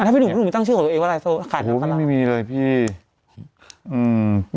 อันที่หนูหนูตั้งชื่อของตัวเองว่าอะไรโอ้โหไม่มีเลยพี่อืม